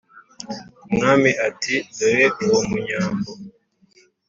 Umwami ati: "Dore uwo Munyambo